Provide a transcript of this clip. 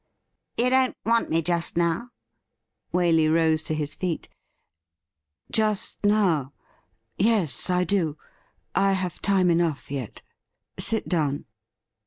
' You don't want me just now .f" Waley rose to his feet. ' Just now ? Yes, I do. I have time enough yet. Sit down.'